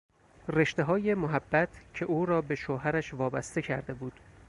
رشتههای محبت که او را به شوهرش وابسته کرده بود